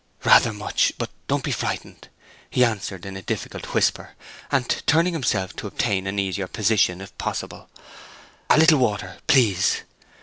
"Rather much—but don't be frightened," he answered in a difficult whisper, and turning himself to obtain an easier position if possible. "A little water, please."